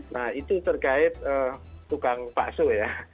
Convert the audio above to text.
nah itu terkait tukang bakso ya